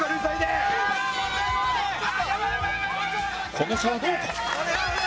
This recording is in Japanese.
この差はどうか？